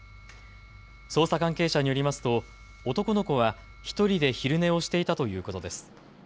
捜査関係者によりますと男の子は１人で昼寝をしていたということです。